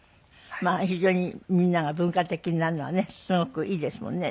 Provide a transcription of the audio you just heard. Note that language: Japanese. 非常にみんなが文化的になるのはねすごくいいですもんね。